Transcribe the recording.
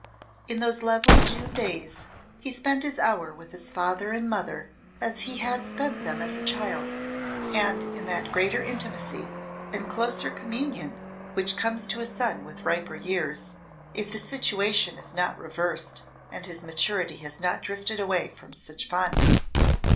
In those lovely June days he spent his hours with his father and mother as he had spent them as a child, and in that greater intimacy and closer communion which comes to a son with riper years, if the situation is not reversed and his maturity has not drifted away from such fondness.